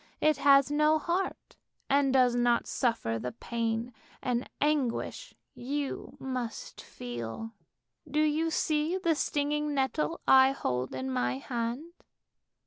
It has no heart, and \6 ANDERSEN'S FAIRY TALES does not suffer the pain and anguish you must feel. Do you see this stinging nettle I hold in my hand?